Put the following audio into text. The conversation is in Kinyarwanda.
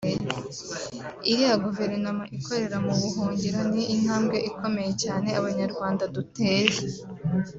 Iriya Guverinoma ikorera mu buhungiro ni intambwe ikomeye cyane abanyarwanda duteye